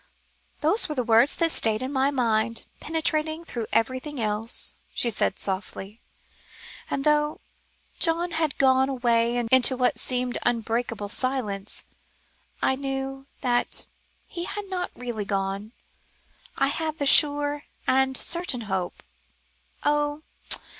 "Those were the words that stayed in my mind, penetrating through everything else," she said softly, "and though John had gone away into what seemed unbreakable silence, I knew that he had not really gone. I had the sure and certain hope oh!